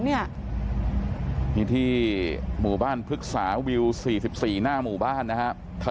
นี่ที่หมู่บ้านพฤกษาวิว๔๔หน้าหมู่บ้านนะครับ